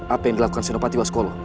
apa yang dilakukan sinovati waskolo